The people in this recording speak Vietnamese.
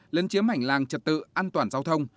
lấn chiếm hành lang trật tự an toàn giao thông